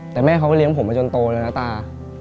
แต่แม่เขาก็เลี้ยงผมมาจนโตเลยนะตา